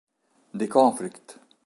The Conflict